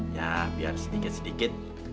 ya biar sedikit sedikit